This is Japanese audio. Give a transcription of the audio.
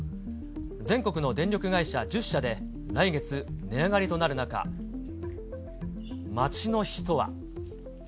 全国の電力会社１０社で来月、値上がりとなる中、街の人は。